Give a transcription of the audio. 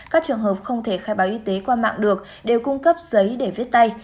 các trường hợp không thể khai báo y tế qua mạng được đều cung cấp giấy để viết tay